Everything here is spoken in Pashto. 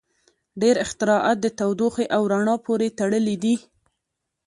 • ډېری اختراعات د تودوخې او رڼا پورې تړلي دي.